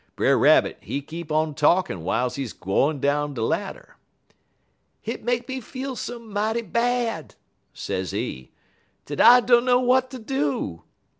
Brer Rabbit, he keep on talkin' w'iles he gwine down de ladder. "'Hit make me feel so mighty bad,' sezee, 'dat I dunner w'at ter do.